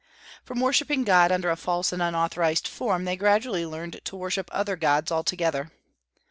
From worshipping God under a false and unauthorized form they gradually learned to worship other gods altogether....